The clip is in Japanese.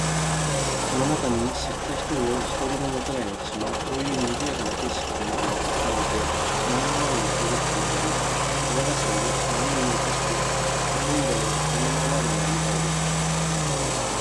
その中に知った人を一人ももたない私も、こういう賑（にぎ）やかな景色の中に裹（つつ）まれて、砂の上に寝そべってみたり、膝頭（ひざがしら）を波に打たしてそこいらを跳（は）ね廻（まわ）るのは愉快であった。